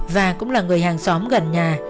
và cũng là người hàng xóm gần nhà